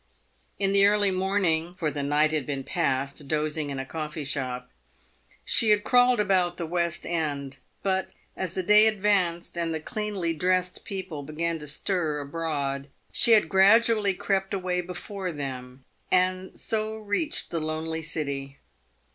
In the early morning — for the night had been passed dozing in a coffee shop — she had crawled about the "West end ; but as the day ad vanced, and the cleanly dressed people began to stir abroad, she had .gradually crept away before them, and so reached the lonely City.